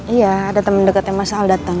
iya ada temen deketnya mas al dateng